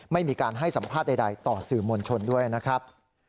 ไม่มีการให้สัมภาษณ์ใดต่อสื่อมวลชนด้วยนะครับ